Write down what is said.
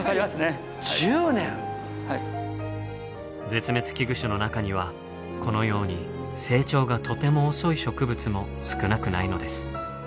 絶滅危惧種の中にはこのように成長がとても遅い植物も少なくないのです。